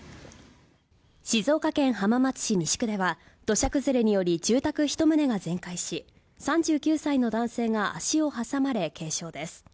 静岡県浜松市西区では土砂崩れにより住宅１棟が全壊し、３９歳の男性が足を挟まれ、軽傷です。